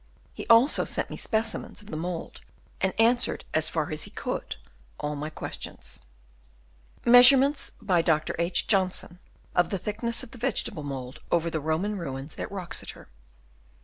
He also sent me speci mens of the mould, and answered, as far as he could, all my questions. Chap. IV. OF ANCIENT BUILDINGS. 225 Measurements by Dr. H. Johnson of the thickness of the vegetable mould over the roman ruins at Wroxeter.